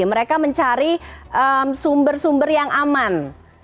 mereka mencari sumber sumber yang aman